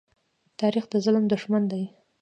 تاریخ د ظلم دښمن دی.